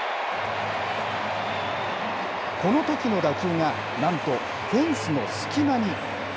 このときの打球が、なんとフェンスの隙間に。